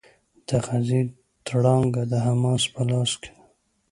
د غزې تړانګه د حماس په لاس کې ده.